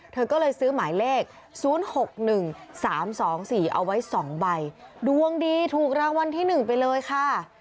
เธอก็เลยซื้อหมายเลขศูนย์หกหนึ่งสามสองสี่เอาไว้สองใบดวงดีถูกรางวัลที่หนึ่งไปเลยค่ะ